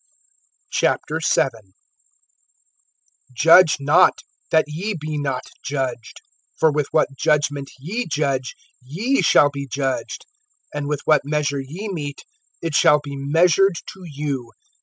VII. JUDGE not, that ye be not judged. (2)For with what judgment ye judge, ye shall be judged; and with what measure ye mete, it shall be measured to you.